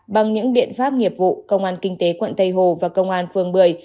bằng những biện pháp nghiệp vụ công an kinh tế quận tây hồ và công an phường bưởi